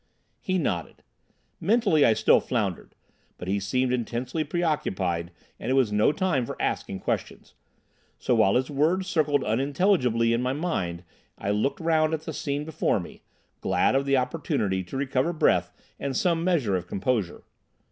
He nodded. Mentally I still floundered, but he seemed intensely preoccupied and it was no time for asking questions; so while his words circled unintelligibly in my mind I looked round at the scene before me, glad of the opportunity to recover breath and some measure of composure.